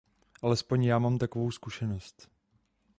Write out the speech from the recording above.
Alespoň já mám takovou zkušenost.